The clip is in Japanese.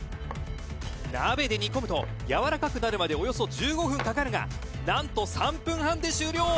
「鍋で煮込むとやわらかくなるまでおよそ１５分かかるがなんと３分半で終了！」